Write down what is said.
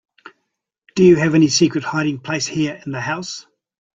Do you have any secret hiding place here in the house?